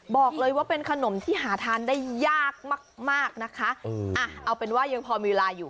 บอกเลยว่าเป็นขนมที่หาทานได้ยากมากมากนะคะอ่ะเอาเป็นว่ายังพอมีเวลาอยู่